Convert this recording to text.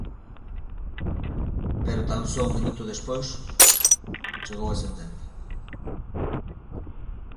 Pero tan só un minuto despois chegou a sentenza.